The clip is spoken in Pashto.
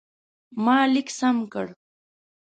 ما لیک سم کړ.